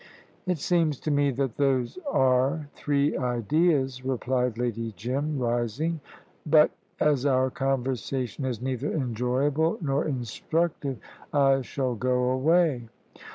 "It seems to me that those are three ideas," replied Lady Jim, rising; "but as our conversation is neither enjoyable nor instructive, I shall go away."